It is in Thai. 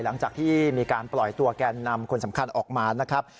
หลังจากที่มีการปล่อยตัวแกนนำคนสำคัญออกมานะครับ